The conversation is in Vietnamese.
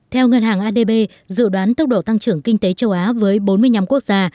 theo ngân hàng adb dự đoán tốc độ tăng trưởng kinh tế châu á với bốn mươi năm quốc gia